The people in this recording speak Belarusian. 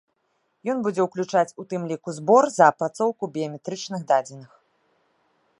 Ён будзе ўключаць у тым ліку збор за апрацоўку біяметрычным дадзеных.